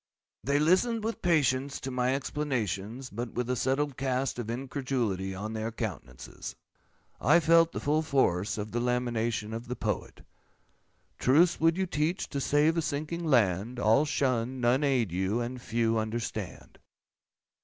They listened with patience to my explanations, but with a settled cast of incredulity on their countenances. I felt the full force of the lamentation of the Poet:— 'Truths would you teach, to save a sinking land, All shun, none aid you, and few understand.